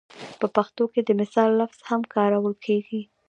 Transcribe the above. په پښتو کې د مثال لفظ هم کارول کېږي